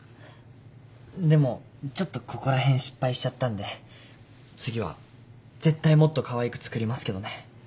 でもちょっとここら辺失敗しちゃったんで次は絶対もっとかわいく作りますけどね。